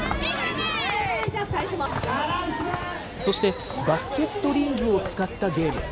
そして、バスケットリングを使ったゲーム。